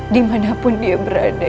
dimanapun dia berada